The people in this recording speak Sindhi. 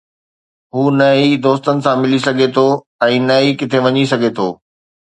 هو نه دوستن سان ملي سگهي ٿو ۽ نه ئي ڪٿي وڃي سگهي ٿو